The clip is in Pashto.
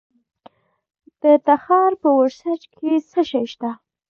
د تخار په ورسج کې څه شی شته؟